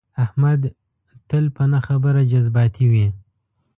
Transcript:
احمد تل په نه خبره جذباتي وي.